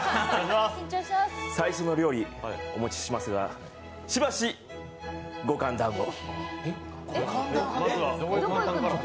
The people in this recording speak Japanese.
最初の料理、お持ちしますが、しばしご歓談を。